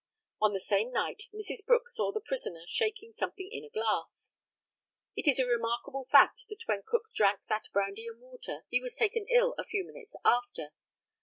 On that same night, Mrs. Brooks saw the prisoner shaking something in a glass. It is a remarkable fact, that when Cook drank that brandy and water, he was taken ill a few minutes after.